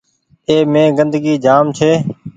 اي مين گندگي جآم ڇي۔